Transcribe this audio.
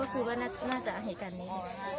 คือน่าจะเหตุการณ์นี้